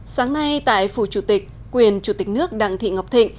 sáng nay tại phủ chủ tịch quyền chủ tịch nước đặng thị ngọc thịnh